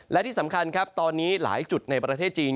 และที่สำคัญครับตอนนี้หลายจุดในประเทศจีน